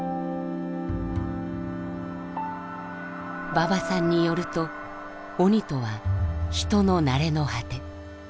馬場さんによると鬼とは人の成れの果て。